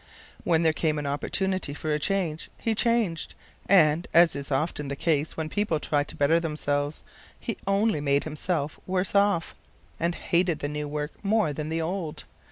When there came an opportunity for a change he changed, and, as is often the case when people try to better themselves, he only made himself worse off, and hated the new work more than the old.